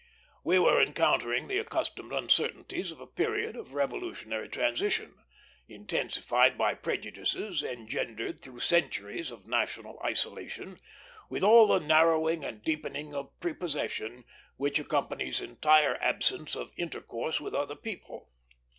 We were encountering the accustomed uncertainties of a period of revolutionary transition, intensified by prejudices engendered through centuries of national isolation, with all the narrowing and deepening of prepossession which accompanies entire absence of intercourse with other people.